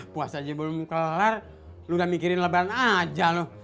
puasa aja belum kelar udah mikirin lebaran aja loh